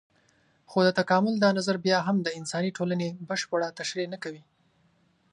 خو د تکامل دا نظر بيا هم د انساني ټولنې بشپړه تشرېح نه کوي.